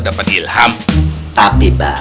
dapat ilham tapi bah